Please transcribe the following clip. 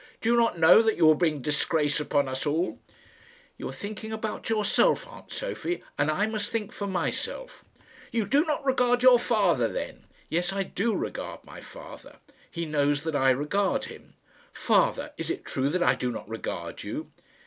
Do you not know that you would bring disgrace upon us all?" "You are thinking about yourself, aunt Sophie; and I must think for myself." "You do not regard your father, then?" "Yes, I do regard my father. He knows that I regard him. Father, is it true that I do not regard you?"